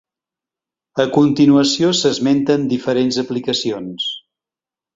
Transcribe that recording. A continuació s'esmenten diferents aplicacions.